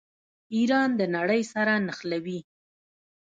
ایران د نړۍ سره نښلوي.